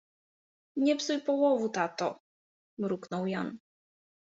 — Nie psuj połowu, tato! — mruknął Jan.